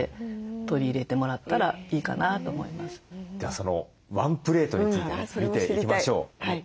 そのワンプレートについて見ていきましょう。